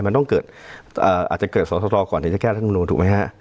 มันต้องเกิดอาจจะเกิดสอสรรอก่อนที่จะแก้รถนำนวนถูกไหมฮะ